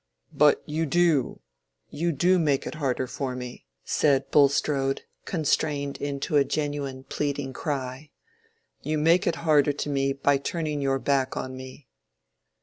"But you do—you do make it harder to me," said Bulstrode constrained into a genuine, pleading cry. "You make it harder to me by turning your back on me."